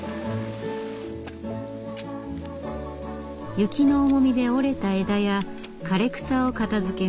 雪の重みで折れた枝や枯れ草を片づけます。